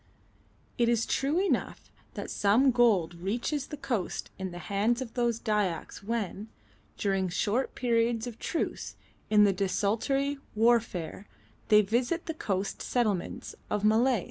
It is true enough that some gold reaches the coast in the hands of those Dyaks when, during short periods of truce in the desultory warfare, they visit the coast settlements of Malays.